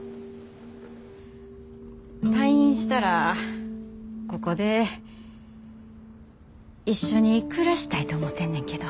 退院したらここで一緒に暮らしたいと思てんねんけど。